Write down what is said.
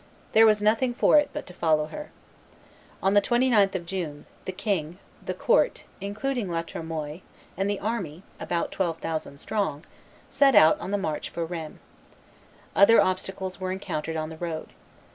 There was nothing for it but to follow her. On the 29th of June, the king, the court (including La Tremoille), and the army, about twelve thousand strong, set out on the march for Rheims. Other obstacles were encountered on the road.